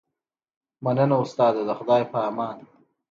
مننه استاده د خدای په امان